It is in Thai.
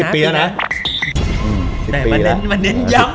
ปีหน้านะ